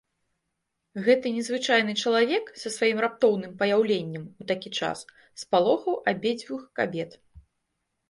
Гэты незвычайны чалавек са сваім раптоўным паяўленнем у такі час спалохаў абедзвюх кабет.